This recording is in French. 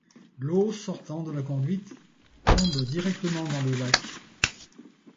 L'eau sortant de la conduite, tombe directement dans le lac.